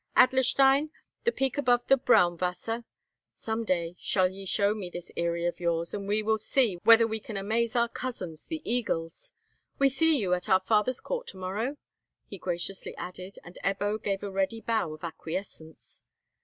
Adlerstein? The peak above the Braunwasser? Some day shall ye show me this eyrie of yours, and we will see whether we can amaze our cousins the eagles. We see you at our father's court to morrow?" he graciously added, and Ebbo gave a ready bow of acquiescence.